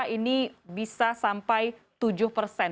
ini bisa sampai tujuh persen